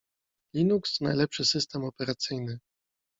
Linux to najlepszy system operacyjny.